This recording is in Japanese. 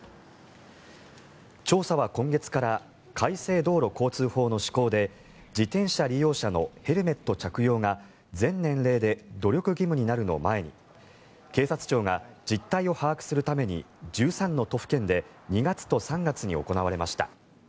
調査は今月から改正道路交通法の施行で自転車利用者のヘルメット着用が全年齢で努力義務になるのを前に警察庁が実態を把握するために１３の都府県で２月と３月に行われました。